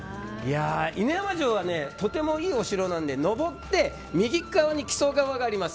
犬山城は、とてもいいお城なので登って右川に木曽川があります。